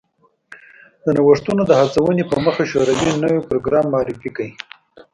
د نوښتونو د هڅونې په موخه شوروي نوی پروګرام معرفي کړ